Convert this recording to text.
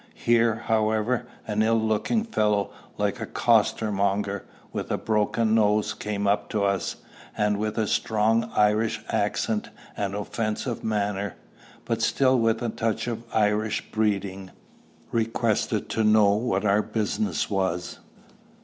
Here, however, an ill looking fellow like a costermonger, with a broken nose, came up to us, and with a strong Irish accent and offensive manner, but still with a touch of Irish breeding, requested to know what our business was.